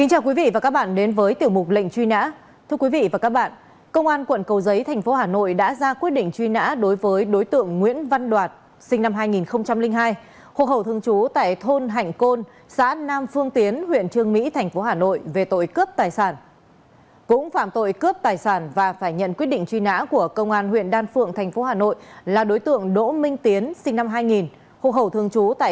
hãy đăng ký kênh để ủng hộ kênh của chúng mình nhé